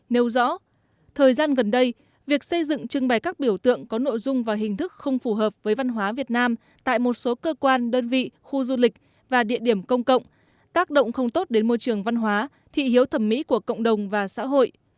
nêu rõ thời gian gần đây việc xây dựng trưng bày các biểu tượng có nội dung và hình thức không phù hợp với văn hóa việt nam tại một số cơ quan đơn vị khu du lịch và địa điểm công cộng tác động không tốt đến môi trường văn hóa thị hiếu thẩm mỹ của cộng đồng và xã hội